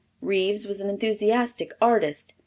Reeves was an enthusiastic artist.